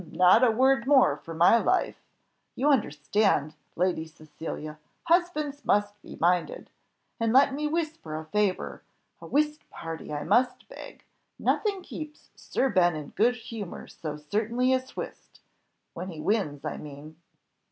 not a word more for my life! You understand, Lady Cecilia! husbands must be minded. And let me whisper a favour a whist party I must beg; nothing keeps Sir Ben in good humour so certainly as whist when he wins, I mean."